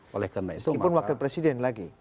walaupun wakil presiden lagi